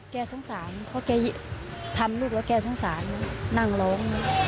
สงสารเพราะแกทำลูกแล้วแกสงสารนั่งร้อง